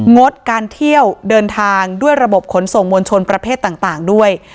งดการเที่ยวเดินทางด้วยระบบขนส่งมวลชนประเภทต่างด้วย